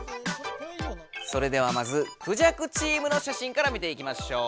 それではまずクジャクチームの写真から見ていきましょう。